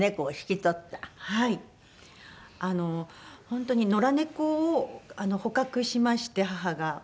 本当に野良猫を捕獲しまして義母が。